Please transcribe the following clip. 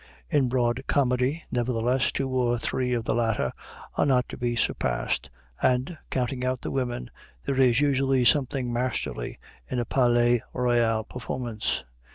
In broad comedy, nevertheless, two or three of the latter are not to be surpassed, and (counting out the women) there is usually something masterly in a Palais Royal performance.